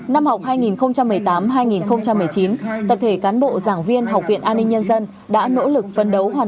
năm học hai nghìn một mươi tám hai nghìn một mươi chín tập thể cán bộ giảng viên học viện an ninh nhân dân đã nỗ lực phấn đấu hoàn